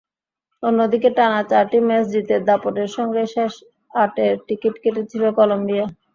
অন্যদিকে টানা চারটি ম্যাচ জিতে দাপটের সঙ্গেই শেষ আটের টিকিট কেটেছিল কলম্বিয়া।